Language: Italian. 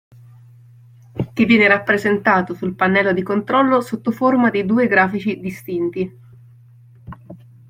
Che viene rappresentato sul pannello di controllo sottoforma di due grafici distinti.